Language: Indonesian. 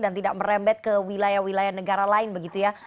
dan tidak merembet ke wilayah wilayah negara lain begitu ya